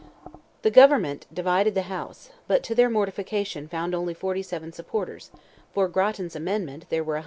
The government divided the House, but to their mortification found only 47 supporters; for Grattan's amendment there were 170.